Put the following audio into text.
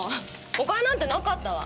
お金なんてなかったわ。